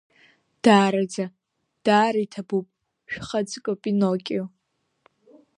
Даараӡа, даара иҭабуп, шәхаҵкы Пиноккио!